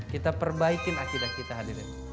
kita perbaikin akidah kita hadirin